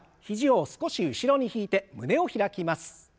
肘を少し後ろに引いて胸を開きます。